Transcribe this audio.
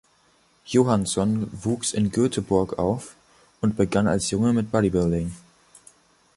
Johansson wuchs in Göteborg auf und begann als Junge mit Bodybuilding.